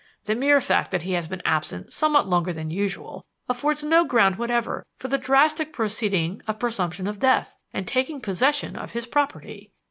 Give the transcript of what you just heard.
The mere fact that he has been absent somewhat longer than usual affords no ground whatever for the drastic proceeding of presumption of death and taking possession of his property.